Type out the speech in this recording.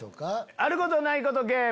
あることないことゲーム！